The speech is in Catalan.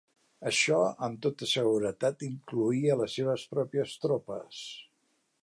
Això, amb tota seguretat, incloïa a les seves pròpies tropes.